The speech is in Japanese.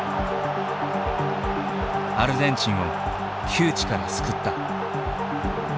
アルゼンチンを窮地から救った。